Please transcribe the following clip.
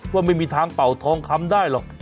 ว่าไม่มีทางเป่าทองคำได้หรอก